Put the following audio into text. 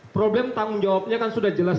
problem tanggung jawabnya kan sudah jelas